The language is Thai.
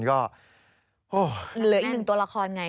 เหละอีกตัวละครไง